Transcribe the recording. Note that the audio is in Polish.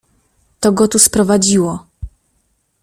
"To go tu sprowadziło."